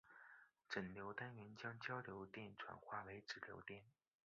整流单元将交流电转化为直流电。